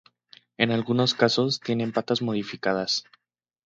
En algunos casos tienen patas modificadas.